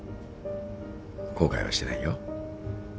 後悔はしてないよ。